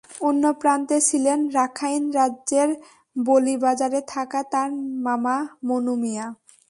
অন্য প্রান্তে ছিলেন রাখাইন রাজ্যের বলিবাজারে থাকা তাঁর মামা মনু মিয়া।